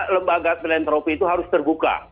lembaga filantropi itu harus terbuka